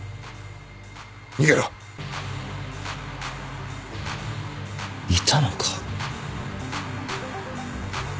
逃げろ！いたのか。